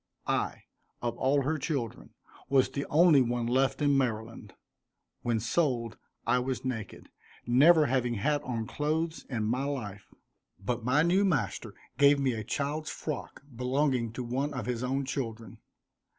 I, of all her children, was the only one left in Maryland. When sold I was naked, never having had on clothes in my life, but my new master gave me a child's frock, belonging to one of his own children.